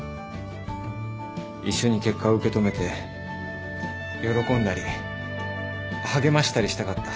一緒に結果を受け止めて喜んだり励ましたりしたかった。